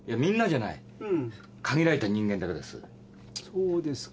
そうですか。